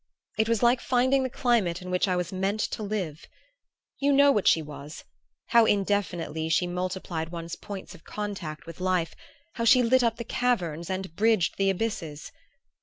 It was like finding the climate in which I was meant to live. You know what she was how indefinitely she multiplied one's points of contact with life, how she lit up the caverns and bridged the abysses!